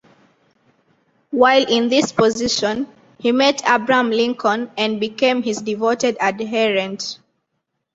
While in this position, he met Abraham Lincoln and became his devoted adherent.